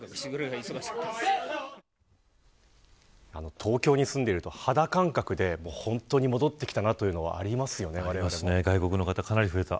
東京に住んでると肌感覚で本当に戻ってきたというのが外国の方、かなり増えた。